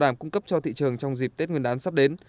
đảm cung cấp cho thị trường trong dịp tết nguyên đán sắp đến